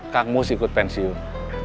kang mus ikut pensiun